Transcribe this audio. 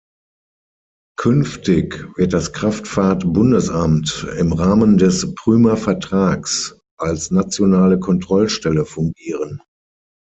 Künftig wird das Kraftfahrt-Bundesamt im Rahmen des Prümer Vertrags als "Nationale Kontrollstelle" fungieren.